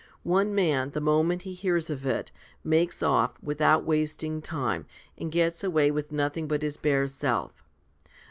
One man, the moment he hears of it, makes off, without wasting time, and gets away with nothing but his bare self.